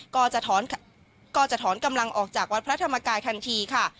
ก็จะถอนกำลังออกจากวัดพระธรรมกายทันทีค่ะ